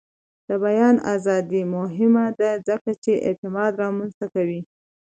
د بیان ازادي مهمه ده ځکه چې اعتماد رامنځته کوي.